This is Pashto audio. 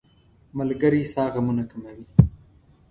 ملګری ستا غمونه کموي.